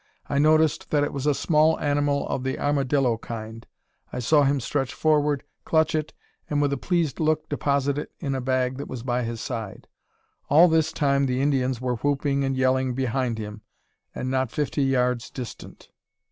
I noticed that it was a small animal of the armadillo kind. I saw him stretch forward, clutch it, and with a pleased look deposit it in a bag that was by his side. All this time the Indians were whooping and yelling behind him, and not fifty yards distant.